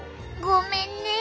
ごめんね。